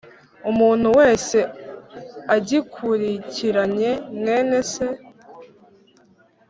umuntu wese agikurikiranye mwene se.”